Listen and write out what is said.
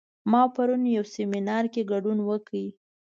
ما پرون یو سیمینار کې ګډون وکړ